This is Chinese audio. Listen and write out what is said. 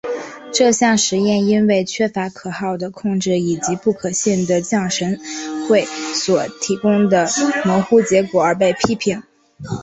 这项实验因为缺乏可靠的控制以及不可信的降神会所提供的模糊结果而被批评。